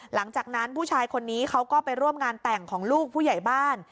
หลังจากนั้นผู้ชายคนนี้เขาก็ไปร่วมงานแต่งของลูกผู้ใหญ่บ้าน